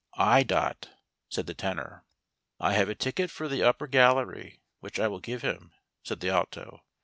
"/, Dot," said the Tenor. " I have a ticket for the upper gallery, which I will give him," said the Alto.